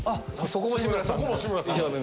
そこも志村さん。